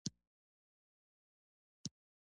مولوي شاکر د ملایانو په اړه ریښتیا ویل.